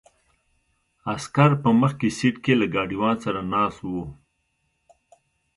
عسکر په مخکې سیټ کې له ګاډیوان سره ناست وو.